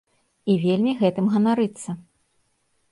І вельмі гэтым ганарыцца.